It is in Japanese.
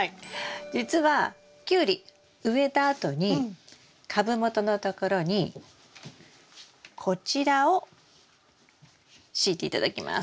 じつはキュウリ植えたあとに株元のところにこちらを敷いて頂きます。